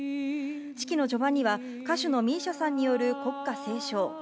式の序盤には歌手のＭＩＳＩＡさんによる国歌斉唱。